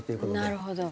なるほど。